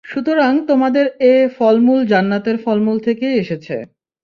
সুতরাং তোমাদের এ ফল-মূল জান্নাতের ফল-মূল থেকেই এসেছে।